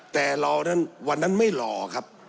แต่วันนั้นไม่หล่อครับ